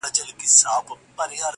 غریب سړی پر لاري تلم ودي ویشتمه،